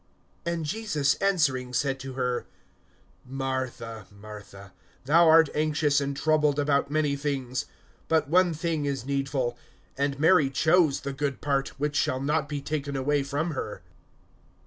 (41)And Jesus answering said to her: Martha, Martha, thou art anxious and troubled about many things. (42)But one thing is needful; and Mary chose the good part, which shall not be taken away from her.